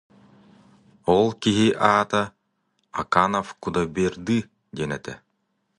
Ол киһи аата Аканов Кудайберды диэн этэ